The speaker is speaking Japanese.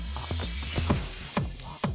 あっ。